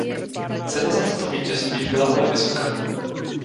Cena za toto vítězství byla ale vysoká.